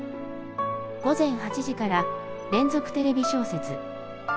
「午前８時から『連続テレビ小説』」。